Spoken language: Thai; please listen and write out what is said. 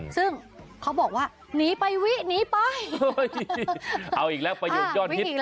ซึ่งเขาบอกว่าหนีไปวิหนีไปเอาอีกแล้วประโยคยอดฮิต